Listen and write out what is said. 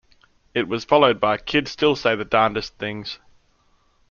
It was followed by Kids Still Say the Darndest Things!